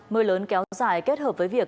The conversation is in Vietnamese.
mưa lớn kéo dài kết hợp với việc